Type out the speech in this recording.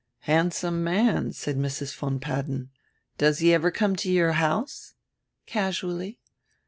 "Handsome man," said Mrs. von Padden. "Does he ever come to your house?" "Casually."